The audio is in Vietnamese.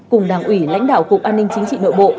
cùng đảng ủy lãnh đạo cục an ninh chính trị nội bộ